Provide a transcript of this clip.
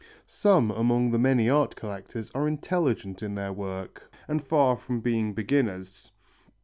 Some among the many art collectors are intelligent in their work, and far from being beginners.